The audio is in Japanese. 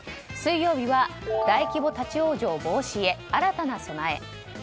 水曜日は大規模立往生防止へ新たな備え。